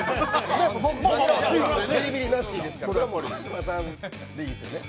ビリビリなしですから川島さんでいいんですよね？